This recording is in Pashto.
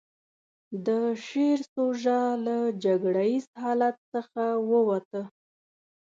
د شعر سوژه له جګړه ييز حالت څخه ووته.